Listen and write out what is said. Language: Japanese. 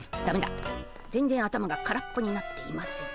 全然頭が空っぽになっていません。